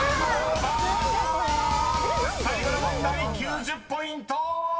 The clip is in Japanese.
［最後の問題９０ポイント！］